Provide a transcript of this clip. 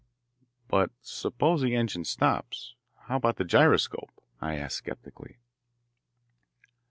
"But suppose the engine stops, how about the gyroscope?" I asked sceptically.